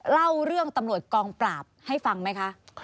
เล่าเรื่องตำรวจกองปราบให้ฟังไหมคะ